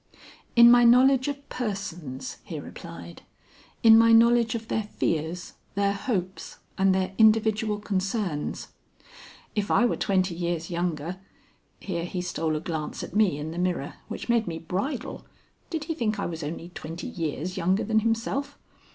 "In my knowledge of persons," he replied. "In my knowledge of their fears, their hopes, and their individual concerns. If I were twenty years younger" here he stole a glance at me in the mirror which made me bridle; did he think I was only twenty years younger than himself?